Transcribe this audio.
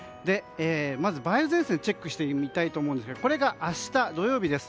まず梅雨前線をチェックしてみたいと思いますがこれが明日、土曜日です。